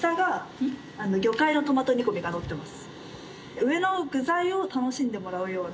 上の具材を楽しんでもらうような。